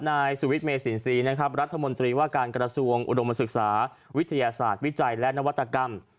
นายสุวิทย์เมสินทรีย์นะครับรัฐมนตรีว่าการกระทรวงอุดมศึกษาวิทยาศาสตร์วิจัยและนวัตกรรม